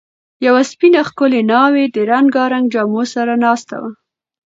یوه سپینه، ښکلې ناوې د رنګارنګ جامو سره ناسته وه.